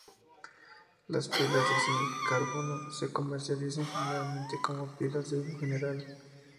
Las pilas de zinc-carbono se comercializan generalmente como pilas de uso general.